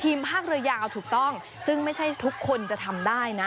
ภาคเรือยาวถูกต้องซึ่งไม่ใช่ทุกคนจะทำได้นะ